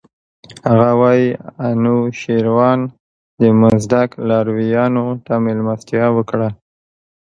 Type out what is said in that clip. هغه وايي انوشیروان د مزدک لارویانو ته مېلمستیا وکړه.